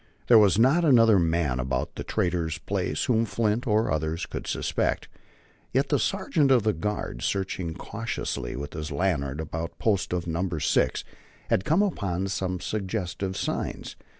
There was not another man about the trader's place whom Flint or others could suspect. Yet the sergeant of the guard, searching cautiously with his lantern about the post of Number Six, had come upon some suggestive signs.